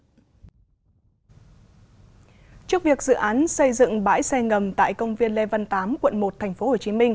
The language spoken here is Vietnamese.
trước việc dự án xây dựng bãi xe ngầm tại công viên lê văn tám quận một tp hcm